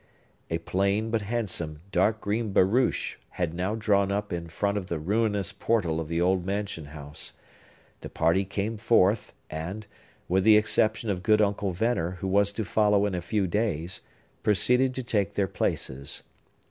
A plain, but handsome, dark green barouche had now drawn up in front of the ruinous portal of the old mansion house. The party came forth, and (with the exception of good Uncle Venner, who was to follow in a few days) proceeded to take their places.